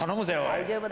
大丈夫！